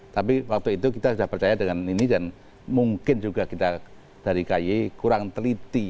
tapi waktu itu kita sudah percaya dengan ini dan mungkin juga kita dari ky kurang teliti